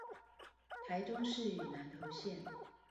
台中市與南投縣